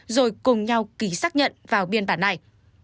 rồi cùng nhau ký xác nhận vào biên bản này